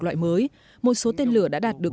loại mới một số tên lửa đã đạt được